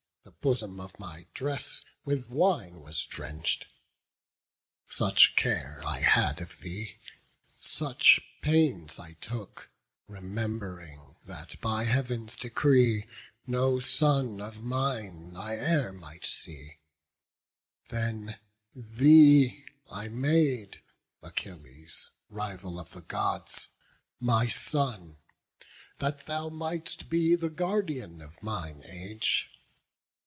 The bosom of my dress with wine was drench'd; Such care I had of thee, such pains I took, Rememb'ring that by Heav'n's decree, no son Of mine I e'er might see; then thee I made, Achilles, rival of the Gods, my son, That thou mightst be the guardian of mine age.